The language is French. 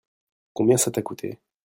Combien ça t'as coûté ?